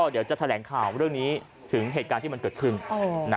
เดี๋ยวจะแถลงข่าวเรื่องนี้ถึงเหตุการณ์ที่มันเกิดขึ้น